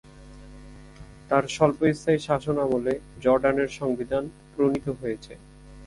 তার স্বল্পস্থায়ী শাসনামলে জর্ডানের সংবিধান প্রণীত হয়েছে।